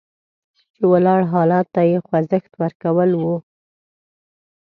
چې ولاړ حالت ته یې خوځښت ورکول وو.